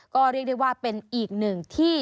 ก็เรียกได้ว่าเป็นอีกหนึ่งที่